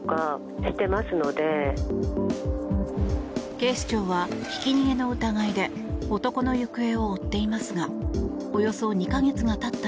警視庁は、ひき逃げの疑いで男の行方を追っていますがおよそ２か月が経った